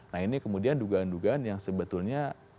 nah ini kemudian dugaan dugaan yang sebetulnya